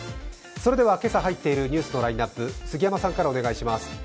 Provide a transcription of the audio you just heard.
それでは今朝入っているニュースのラインナップをお願いします。